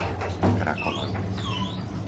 Krakovany